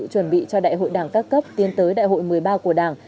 chuẩn bị cho đại hội đảng các cấp tiến tới đại hội một mươi ba của đảng